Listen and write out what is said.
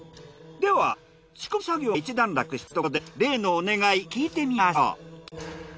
では仕込み作業が一段落したところで例のお願い聞いてみましょう。